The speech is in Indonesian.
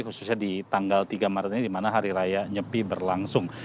khususnya di tanggal tiga maret ini di mana hari raya nyepi berlangsung